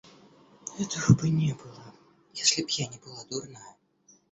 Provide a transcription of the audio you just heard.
Этого бы не было, если б я не была дурная.